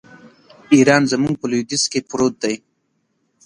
ایران زموږ په لوېدیځ کې پروت دی.